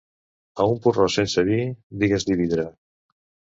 A un porró sense vi, digues-li vidre.